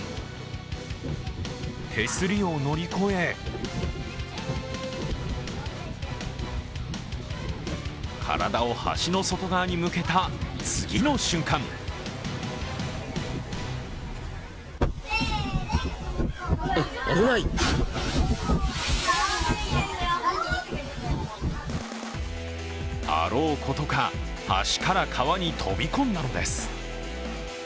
手すりを乗り越え体を橋の外側に向けた次の瞬間あろうことか橋から川に飛び込んだのです。